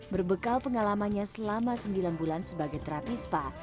berbekal pengalamannya selama sembilan bulan sebagai terapis spa